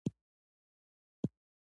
مستثنی پر دوه ډوله ده.